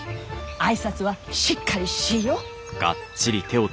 挨拶はしっかりしいよ！